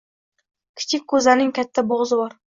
Kichik koʻzaning katta boʻgʻzi bor